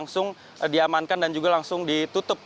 langsung diamankan dan juga langsung ditutup